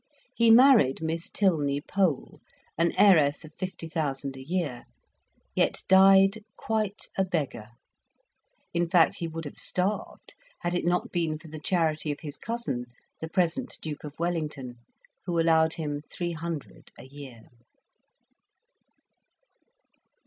He married Miss Tylney Pole, an heiress of fifty thousand a year, yet died quite a beggar: in fact, he would have starved, had it not been for the charity of his cousin, the present Duke of Wellington, who allowed him three hundred a year.